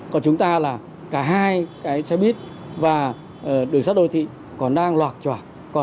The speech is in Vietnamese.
còn chúng ta là cả hai cái xe buýt và đường sắt đô thị còn đang loạc trò